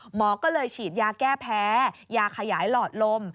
หมอก็เลยฉีดยาแก้แพ้ยาขยายหลอดลม